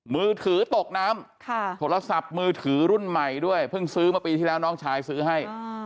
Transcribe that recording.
มือถือตกน้ำโทรศัพท์มือถือรุ่นใหม่ด้วยเพิ่งซื้อมาปีที่แล้วน้องชายซื้อให้